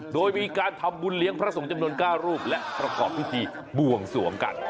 โดยมีการทำบุญเลี้ยงพระสงฆ์จำนวน๙รูปและประกอบพิธีบวงสวงกัน